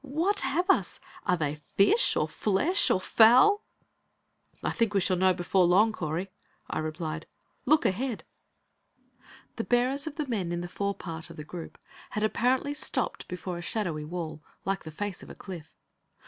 "What have us? Are they fish or flesh or fowl?" "I think we shall know before very long, Correy," I replied. "Look ahead!" The bearers of the men in the fore part of the group had apparently stopped before a shadowy wall, like the face of a cliff.